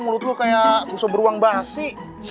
mulut lo kayak susu beruang basi